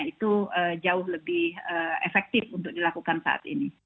itu jauh lebih efektif untuk dilakukan saat ini